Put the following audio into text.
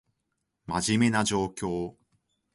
真面目な状況